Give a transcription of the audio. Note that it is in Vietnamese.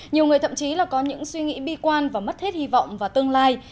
nhiều người thậm chí là có những suy nghĩ bi quan và mất hết hy vọng vào tương lai